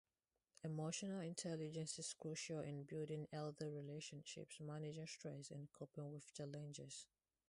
Emotional intelligence is crucial in building healthy relationships, managing stress, and coping with challenges.